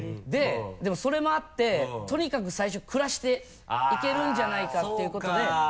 でもそれもあってとにかく最初暮らしていけるんじゃないかっていうことで。